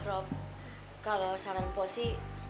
rob kalau saran posi